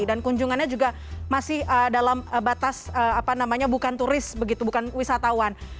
dan kunjungannya juga masih dalam batas bukan turis begitu bukan wisatawan